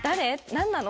何なの？